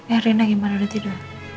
eh rina gimana udah tidur